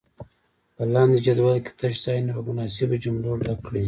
په لاندې جدول کې تش ځایونه په مناسبو جملو ډک کړئ.